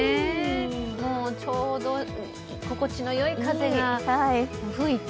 ちょうど心地のよい風が吹いて。